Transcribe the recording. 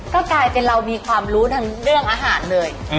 ก็กลายเป็นเรามีความรู้ทางเรื่องอาหารเลย